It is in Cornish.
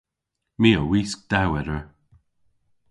My a wisk dewweder.